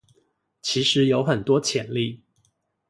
其實有很多潛力